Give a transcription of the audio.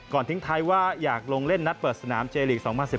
ทิ้งท้ายว่าอยากลงเล่นนัดเปิดสนามเจลีก๒๐๑๘